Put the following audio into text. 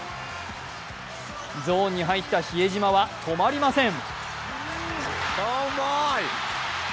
ゾーンに入った比江島は止まりません。